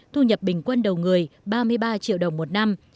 thu nhập bình quân đầu người ba mươi ba triệu đồng một năm